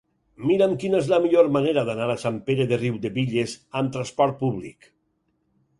Mira'm quina és la millor manera d'anar a Sant Pere de Riudebitlles amb trasport públic.